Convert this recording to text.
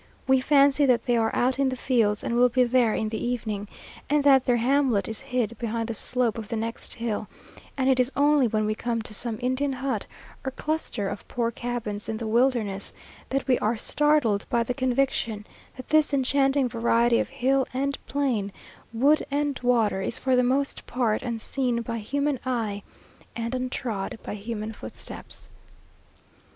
We fancy that they are out in the fields, and will be there in the evening, and that their hamlet is hid behind the slope of the next hill; and it is only when we come to some Indian hut, or cluster of poor cabins in the wilderness, that we are startled by the conviction that this enchanting variety of hill and plain, wood and water, is for the most part unseen by human eye, and untrod by human footsteps.